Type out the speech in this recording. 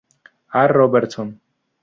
A. Robertson.